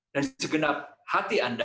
dengan segenap hati anda